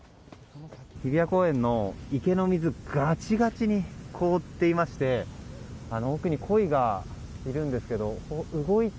日比谷公園の池の水がちがちに凍っていまして奥にコイがいるんですけど動いて。